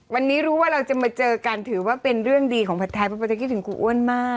วันนี้รู้ว่าเราจะมาเจอกันถือว่าเป็นเรื่องดีของผัดไทยเพราะเราจะคิดถึงครูอ้วนมาก